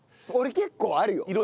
俺結構あるよ。